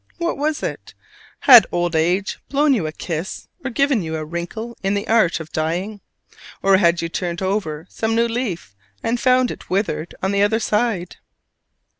What was it? Had old age blown you a kiss, or given you a wrinkle in the art of dying? Or had you turned over some new leaf, and found it withered on the other side?